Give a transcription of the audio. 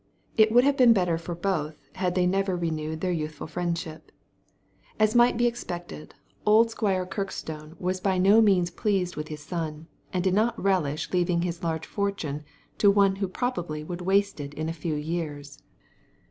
It would have been better for both had they never renewed their youthful friendship. As might be expected, old Squire Kirkstone was 55 Digitized by Google 56 THE LADY FROM NOWHERE by no means pleased with his son, and did not relish leaving his large fortune to one who probably would waste it in a few years.